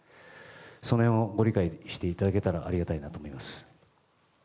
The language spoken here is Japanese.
その辺をご理解していただけたらありがたいと思います。